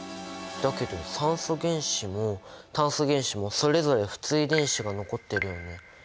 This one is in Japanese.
だけど酸素原子も炭素原子もそれぞれ不対電子が残ってるよね。